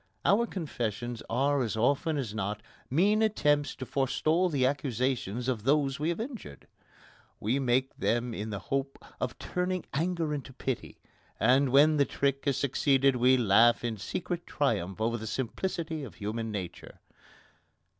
Our confessions are as often as not mean attempts to forestall the accusations of those we have injured. We make them in the hope of turning anger into pity, and when the trick has succeeded we laugh in secret triumph over the simplicity of human nature.